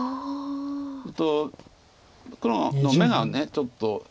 と黒の眼がちょっと。